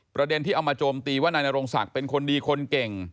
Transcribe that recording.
ประเด็นที่เอามาโจมตีว่านายนโรงศักดิ์เป็นคนดีคนเก่ง